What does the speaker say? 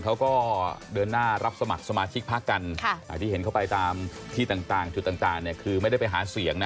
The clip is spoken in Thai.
เขาก็เดินหน้ารับสมัครสมาชิกพักกันที่เห็นเข้าไปตามที่ต่างจุดต่างคือไม่ได้ไปหาเสียงนะ